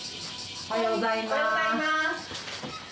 おはようございます。